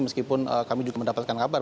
meskipun kami juga mendapatkan kabar